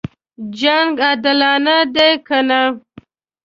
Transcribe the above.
جنګ عادلانه دی کنه.